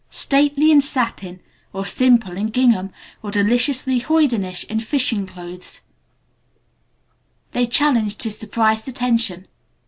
Stately in satin, or simple in gingham, or deliciously hoydenish in fishing clothes, they challenged his surprised attention.